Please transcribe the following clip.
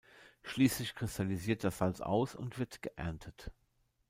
Schließlich kristallisiert das Salz aus und wird geerntet.